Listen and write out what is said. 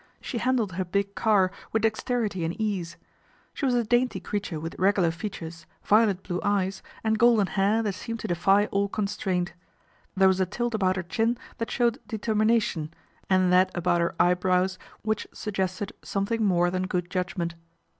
She handled her big cai with dexterity and ease. She was a dainty LORD PETER'S S.O.S. 113 :reature with regular features, violet blue eyes md golden hair that seemed to defy all constraint, fhere was a tilt about her chin that showed determination, and that about her eyebrows which suggested something more than good judgment.